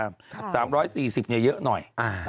๓๔๐เยอะหน่อย